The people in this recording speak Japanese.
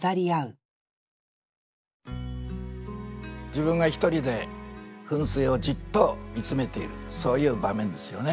自分が一人で噴水をじっと見つめているそういう場面ですよね。